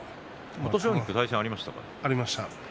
琴奨菊は対戦はありましたか。